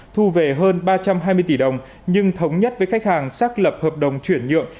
thu về hơn ba trăm hai mươi tỷ đồng nhưng thống nhất với khách hàng xác lập hợp đồng chuyển nhượng